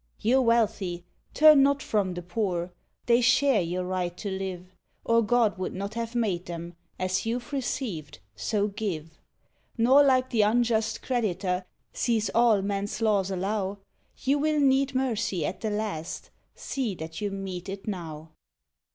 You're wealthy! turn not from the poor! they share your right to live, Or God would not have made them: as you've received, so give; Nor like the unjust creditor, seize all man's laws allow, You will need mercy at the last, see that you mete it now!